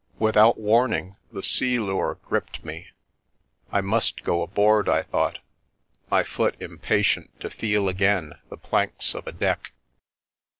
Without warning the sea lure gripped me. " I must go aboard," I thought, my foot impatient to feel again the planks of a deck.